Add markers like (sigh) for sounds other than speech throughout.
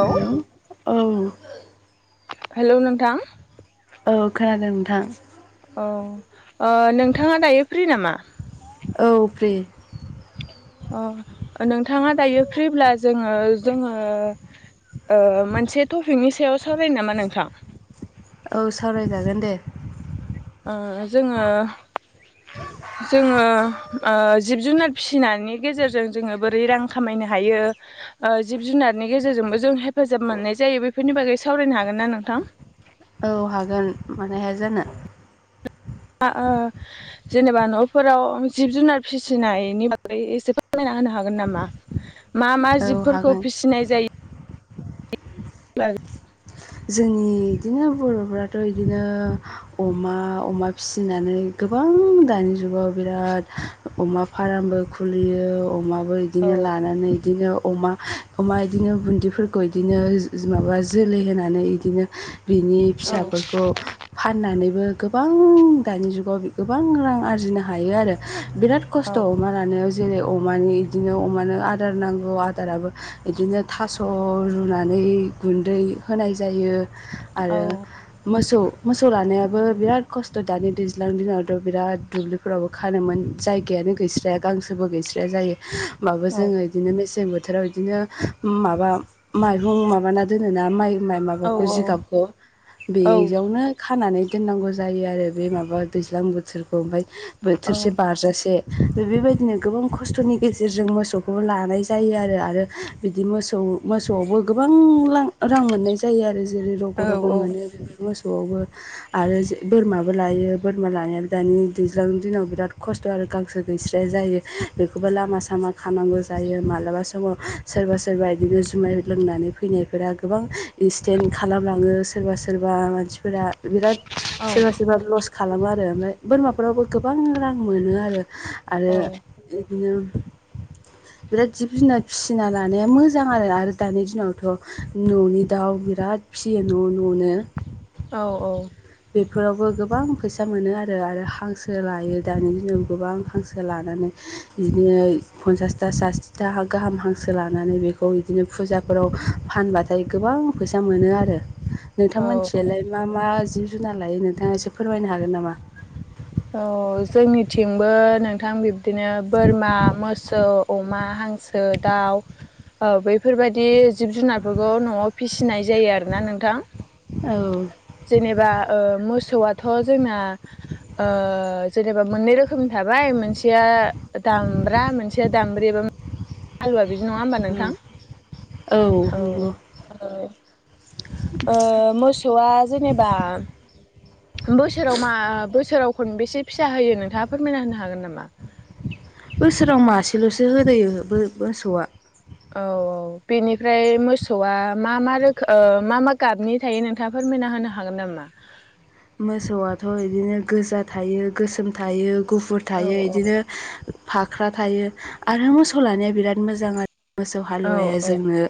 Hello औ hello नोंथां औ खोनादों नोंथां। औ ओ नोंथाङा दायो फ्रि नामा? औ फ्रि नोंथाङा दायो फ्रिब्ला जोङो जोङो ओ मोनसे टपिकनि सायाव सावरायनो नामा नोंथां? औ सावरायजागोन दे। ओ जोङो (inaudible) जोङो ओ जिब जुनार फिसिनायनि गेजेरजों जोङो बोरै रां खामायनो हायो ओ जिब जुनारनि गेजेरजोंबो जों हेफाजाब मोननाय जायो बेफोरनि बागै सावरायनो हागोन ना नोंथां? औ हागोन मानो हाया जानो ओ जेनेबा न'फोराव जिब जुनार फिसिनायनि बागै एसे फोरमायना होनो हागोन नामा मा मा औ जिबफोरखौ हागोन फिसिनाय जायो (unintelligible) जोंनि इदिनो बर'फ्राथ' इदिनो अमा-अमा फिसिनानै गोबां दानि जुगाव बिराद अमा फार्मबो खुलियो अमाबो औ इदिनो लानानै इदिनो अमा अमा इदिनो बुनदिफोरखौ इदिनो माबा जोलै होना इदिनो बिनि फिसाफोरखौ फाननानैबो गोबां दानि जुगाव गोबां रां आरजिनो हायो आरो बिराद खस्थ' अमा लानायाव जेरै अमानि इदिनो अमानो आदार नांगौ आदाराबो इदिनो थास' रुनानै गुन्दै होनाय जायो आरो मोसौ मोसौ लानायाबो बिराद खस्थ' दानि दैज्लां दिनावथ' बिराद दुब्लिफोरावबो खानोमोन जायगा यानो गैस्रायानो गांसोबो गैस्राया जायो ओमबाबो जोङो इदिनो मेसें बो बोथोराव इदिनो माबा माइहुं माबाना दोनोना माइ माबाखौ जिगाबखौ बेयावनो खानानै दोननांगौ जायो आरो बे माबा दैज्लां बोथोरखौ ओमफ्राय बोथोरसे बारजासे बेबायदिनो गोबां खस्थ'नि गेजेरजों मोसौखौबो लानाय जायो आरो आरो बिदि मोसौ मोसौआवबो गोबां लां रां मोननाय जायो आरो जेरै रग' रग' मोनो बे मोसौ मोसौआवबो आरो बोरमाबो लायो बोरमा लानाया दानि दैज्लांनि दिनाव बिराद खस्थ' आरो गांसो गैस्राया जायो बेखौबो लामा सामा खांनांगौ जायो मालाबा समाव सोरबा सोरबा बायदिनो जुमाय लोंनानै फैनायफोरा गोबां इनसिडेन्ट खालामलाङो सोरबा सोरबा मानसिफोरा बिराद सोरबा सोरबा लस खालामो आ आरो ओमफाय बोरमाफोरावबो गोबां रां मोनो आरो आरो इदिनो बिराद जिब जुनार फिसिना लानाया मोजां आरो आरो दानि दिनावथ' न'नि दाउ बिराद फिसियो न' न'नो औ औ बेफोरावबो गोबां फैसा मोनो आरो आरो हांसो लायो दानि दिनाव गोबां हांसो लानानै इदिनो पन्सासथा साथिथा गाहाम हांसो लानानै बेखौ बिदिनो फुजाफोराव फानबाथाय गोबां फैसा मोनो आरो नोंथां औ औ मोनथिनालाय मा मा? जिब -जुनार लायो नोंथाङा एसे फोरमायनो हागोन नामा? औ जोंनिथिंबो नोंथां बिब्दिनो बोरमा मोसौ अमा हांसो दाउ औ बैफोरबायदि जिब जुनारफोरखौ न'आव फिसिनाय जायो आरोना नोंथां औ जेनेबा ओ मोसौआथ' जोंना ओ जेनेबा मोननै रोखोमनि थाबाय मोनसेया दामब्रा मोनसेया दामब्रि एबा आलुआ बिदि नङा होमबा नोंथां औ औ ओ मोसौआ जेनेबा बोसोराव मा बोसोराव खनबेसे फिसा होयो नोंथाङा फोरमायना होनो हागोन नामा? बोसोराव मासेल'सो होदोयो मोसौआ औ औ बेनिफ्राय मोसौआ मा मा रोखोम ओ मा मा गाबनि थायो नोंथाङा फोरमायनो होनो हागोन नामा? मोसौआथ' बिदिनो गोजा थायो गोसोम थायो गुफुर औ थायो इदिनो फाख्रा थायो आरो मोसौ लानाया बिराद मोजां आरो मोसौ औ हालुवाया औ जोंनो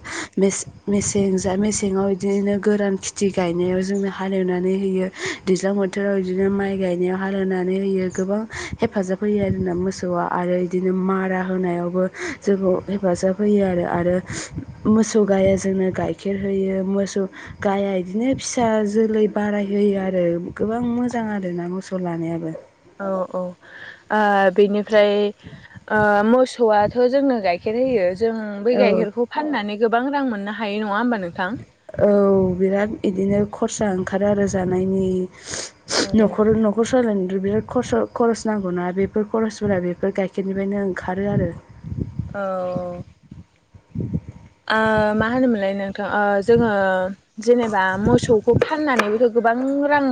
मेसें जा मेसेङाव इदिनो गोरान खिथि गायनायाव जोंनो हालेवनानै होयो दैज्लां बोथोराव इदिनो माइ गायनायाव हाल एवनानै होयो गोबां हेफाजाब होयो आरोना मोसौ आरो बिदिनो मारा होनायावबो जोंखौ हेफाजाब होयो आरो आरो मोस सौ गाया जोंनो गाइखेर होयो मोसौ गाया बिदिनो फिसा जोलै बाराय होयो आरो गोबां मोजां आरोना मोसौ लानायाबो औ-औ बेनिफ्राय आ मोसौआथ' जोंनो गाइखे गाइखेर होयो जों बै औ गाइखेरखौ फाननानै गोबां मोननो हायो नङा होमबा नों औ बिराद इदिनो खरसा ओंखारो आरो जानायनि औ न'खर न'खर सालायनो आरो बिराद खरस खरस नांगौ ना बेफोर खरसफोरा बेफोर गाइखेरनिफ्रायनो ओंखारो आरो। औ ओ मा होनोमोनलाय नोंथां जोङो जेनेबा मोसौखौ फाननानै गोबां रां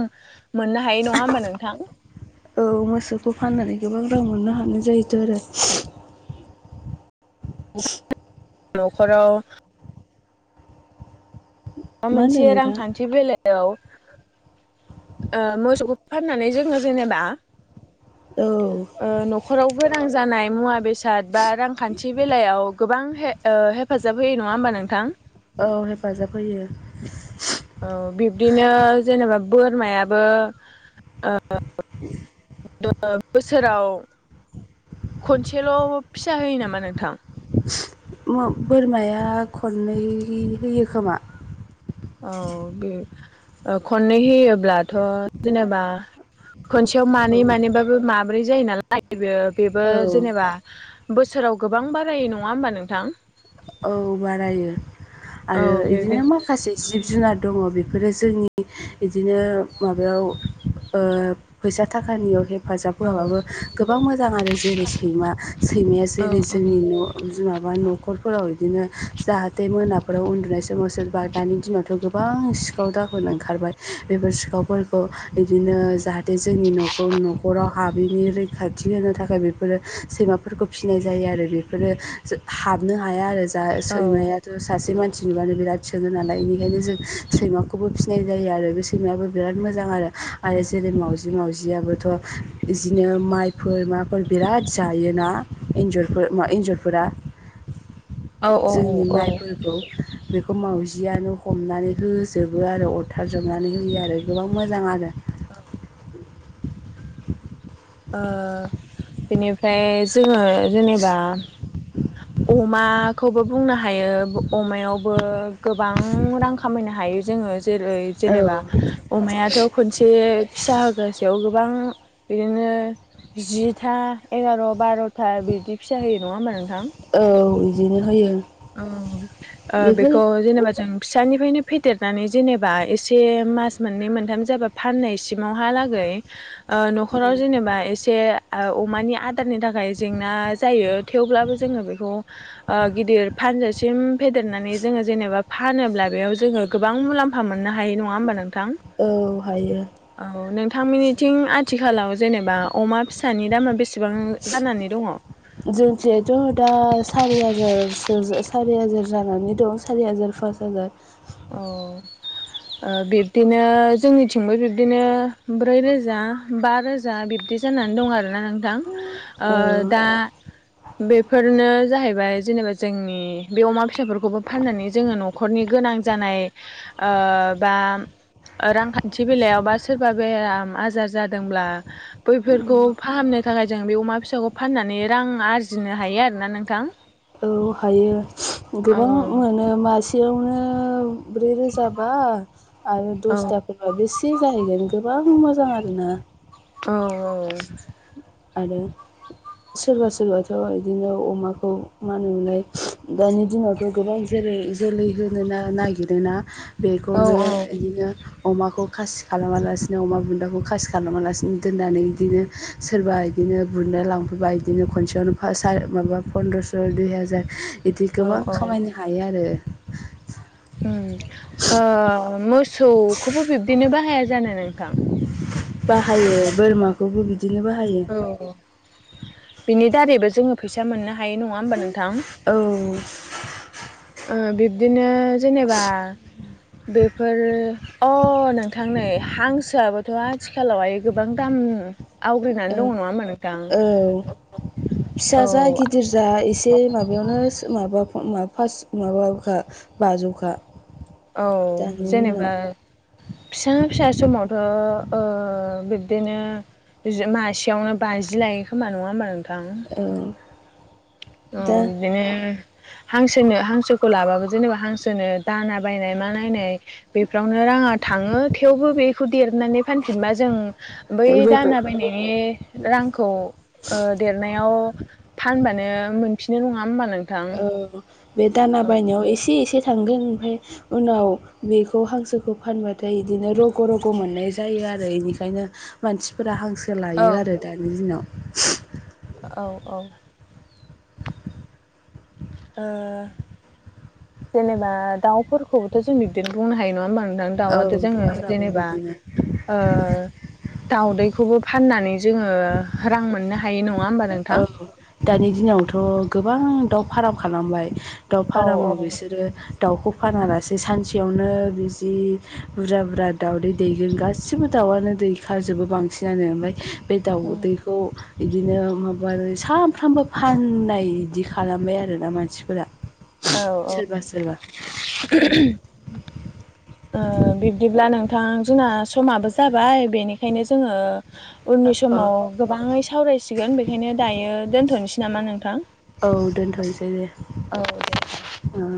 मोननो हायो नङा होमबा नोंथां? औ मोसौखौ फाननानै गोबां रां मोननो हानाय जाहैदों आरो। नखराव माबा मा होनदों मोनसे नोंथां रांखान्थि बेलायाव ओ मोसौखौ फाननानै जोङो जेनेबा औ ओ नखराव गोनां जानाय मुवा बेसाद बा रांखान्थि बेलायाव गोबां हेफाजाब होयो नङा होमबा नोंथां? औ हेफाजाब होयो औ बिब्दिनो जेनेबा बोरमायाबो बोसोराव खनसेल फिसा होयो नामा नोंथां? बोरमाया खननै होयो खोमा। औ बे खननै होयोब्लाथ जेनेबा खनसेयाव औ मानै मानैबाबो माब्रै जायो नालाय बेयो बेबो औ जेनेबा बोसोराव गोबां बारायो नङा होमबा नोंथां? औ बारायो औ आरो बेबाय बिदिनो माखासे जि जिब जुनार दङ बेफोरो जोंनि बिदिनो माबायाव फैसा थाखानियावहे हेफाजाब औ होआबाबो गोबां मोजां आरो जेरै सैमा सैमाया औ जेरै जोंनि न माबा न नखरफोराव बिदिनो जाहाथे मोनाफोराव उन्दुनाय समाव सोरबा दानि दिनावथ गोबां सिखाव द सिफोरनो ओंखारबाय बेफोर सिखावफोरखौ बिदिनो जाहाथे जोंनि नखौ नखराव हाब नि रैखाथि होनो थाखाय बेफोरो सैमाफोरखौ फिसिनाय जायो आरो बेफोरो हा या आरो जा औ सैमायाथ सासे मानसि नुबानो बिराद सोङो नालाय बेनिखायनो जों सैमाखौ खौबो फिसिनाय जायो आरो बे सैमाबो बिराद मोजां आरो आरो जेरै मावजि मावजियाबोथ बिदिनो माइफोर माफोर बिराद जायोना एन्जरफोर मा एन्जरफोरा औ औ औ जोंनि ओ माइफोरखौ बेखौ मावजि जियानो हमनानै होजोबो आरो अरथारजोबनानै होयो आरो गोबां मोजां आरो औ ओ बेनिफ्राय जोङो जेनेबा अमाखौबो बुंनो हायो अमायावबो गोबां रां खामायनो हायो। हायो जोङो। जेरै औ जेनेबा अमायाथ खनसे फिसा होगसेयाव गोबां बि बिदिनो जिथा एगार बारथा बिदि फिसा होयो नङा होनबा नोंथां? औ बिदिनो होयो बेफोर बेखौ जेनेबा जों फिसानिफ्रायनो फेदेरनानै जेनेबा एसे मास मोननै मोनथाम जाबा फाननायसिमावहालागै ओ नखराव उम जेनेबा एसे अमानि आदारनि थाखाय जेंना जायो थेवब्लाबो जोङो बेखौ गिदिर फा हानजासिम फेदेरनानै जोङो जेनेबा फानोब्ला बेयाव जोङो गोबां मुलाम्फा मोननो हायो नङा होमबा नों औ हायो थां मिनिथिं आथिखालाव जेनेबा अमा फिसानि दामा बेसेबां जानानै दङ जोंसेयाथ दा सारि हाजारसो सारि हाजार जानानै दं सारि हाजार पास हाजार। औ ओ बिब्दिनो जोंनिथिंबो बिब्दिनो ब्रै रोजा बा रोजा बिब्दि जानानै दं आरोना नोंथां। ओ औ दा बेफोरनो जाहैबाय जेनेबा जोंनि बे अमा फिसाफोरखौबो फाननानै जोङो न'खरनि गोनां जानाय ओ बा रांखान्थि बेलायाव बा सोरबा बेराम आजार जादोंब्ला बैफोरखौ फाहामनो थाखाय जों बे अमा फिसाखौ फाननानै रां आरजिनो हायो आरोना नोंथां। औ हायो औ गोबां मोनो मासे मासेयावनो ब्रै रोजा बा आरो औ दसथाफोरबा बेसे जाहैगोन गोबां मोजां आरोना। औ औ आरो सोरबा सोरबाथ' इदिनो अमाखौ मा होनोमोनलाय दानि दिनावथ' गोबां जेरै बे जोलै होनो नागिरोना औ बेखौनो इदिनो अमाखौ खासि खालामालासिनो अमा बुन्दाखौ खासि खालामालासिनो दोननानै बिदिनो सोरबा इदिनो बिदिनो बुन्दा लांफैबा बिदिनो खनसेयावनो माबा फन्द्रस' दुइ हाजार बिदि औ गोबां औ औ खामायनो हायो आरो। उम ओ मोसौखौबो बिबदिनो बा हाया जानो नोंथां? बाहायो बोरमाखौबो बिदिनो बाहायो। औ बिनि दारैबो जोङो फैसा मोननो हायो नङा होमबा नोंथां? औ ओ बिब्दिनो जेनेबा बेफोरो अ नोंथां नै हांसोआबोथ' आथिखालावहाय गोबां दाम आवग्रिनानै दं नङा होमबा नोंथां? औ फिसा औ जा गिदिर जा एसे माबायावनो माबा फास माबाखा बाजौखा। औ दानि जेनेबा दिनाव फिसा फिसा समावथ' ओ बिब्दिनो मासेयावनो बाजि लायो खोमा नङा होमबा नोंथां औ औ दा बिदिनो हांसोनो हांसोखौ लाबाबो जेनेबा हांसोनो दाना बायनाय मा नायनाय बेफोरावनो राङा थाङो थेवबो बेखौ देरनानै फानफिनबा जों बै रग' औ दाना बायनायनि रांखौ ओ देरनायाव फानबानो मोनफिनो नङा होमबा नों औ बे दाना बायनायाव एसे एसे थांगोन ओमफाय उनाव बेखौ हांसोखौ फानबाथाय बिदिनो रग' रग' मोननाय जायो। आरो बेनिखायनो मानसिफोरा हांसो लायो आरो दानि दिनाव। औ औ ओ जेनेबा दाउफोरखौबोथ' जों बिबदिनो बुंनो हायो नङा होमबा थां औ दाउआथ' जोङो दाउफोराबो जेनेबा बिदिनो दाउदैखौबो फाननानै जोङो रां मोननो हा औ दानि दिनावथ' गोबां दाउ फाराम खालामबाय। दाउ औ फारामाव औ बिसोरो दाउखौ फानालासे सानसेयावनो बि जि बुरजा बुरजा दाउदै दैगोन गासिबो दाउ दाउआनो दै खारजोबो बांसिनानो ओमफ्राय बे औ दाउदैखौ इदिनो माबा सानफ्रामबो फाननाय बिदि खालामबाय आरोना मानसिफोरा। औ औ सोरबा सोरबा बिब्दिब्ला नोंथां जोंना समाबो जाबाय बेनिखायनो जोङो उननि औ समाव गोबांङै सावरायसिगोन बेखायनो दायो दोनथ'नोसै नामा नोंथां औ दोनथ'नोसै दे